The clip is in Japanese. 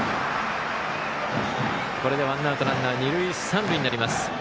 これでワンアウトランナー、二塁三塁になります。